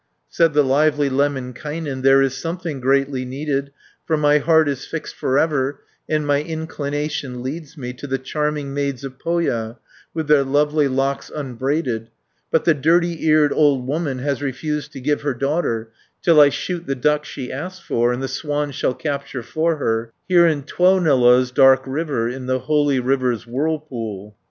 610 Said the lively Lemminkainen, "There is something greatly needed, For my heart is fixed for ever, And my inclination leads me To the charming maids of Pohja, With their lovely locks unbraided, But the dirty eared old woman Has refused to give her daughter, Till I shoot the duck she asks for, And the swan shall capture for her, 620 Here in Tuonela's dark river, In the holy river's whirlpool."